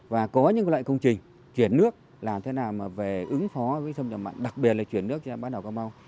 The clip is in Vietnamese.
và có những loại công trình chuyển nước làm thế nào mà về ứng phó với thông trọng mạng đặc biệt là chuyển nước cho ban đảo cà mau